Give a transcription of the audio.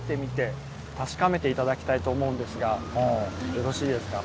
よろしいですか？